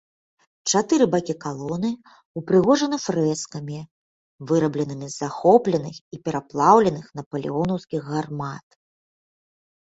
Чатыры бакі калоны ўпрыгожаны фрэскамі, вырабленымі з захопленых і пераплаўленых напалеонаўскіх гармат.